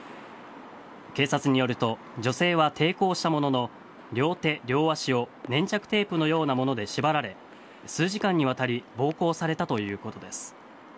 警察によると女性は抵抗したものの両手両足を粘着テープのようなもので縛られ数時間にわたり暴行されたということです。